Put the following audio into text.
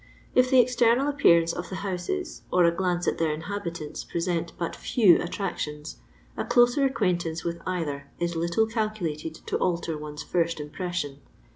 " If the external appearance of the houses, or a glance at their inhabitants, present but few at tractions, a closer acquaintance with either is little calculated to alter one's first impression.